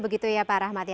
begitu ya pak rahmat